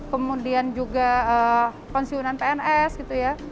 kemudian juga pensiunan pns gitu ya